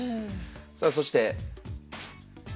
さあそして。